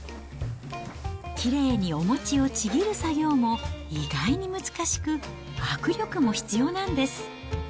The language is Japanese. きれいにお餅をちぎる作業も意外に難しく、握力も必要なんです。